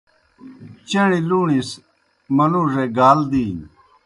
چݨیْ لُوݨیْ سہ منُوڙے گال دِینیْ۔